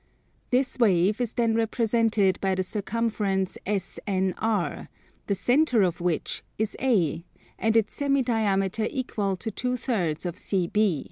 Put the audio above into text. This wave is then represented by the circumference SNR, the centre of which is A, and its semi diameter equal to two thirds of CB.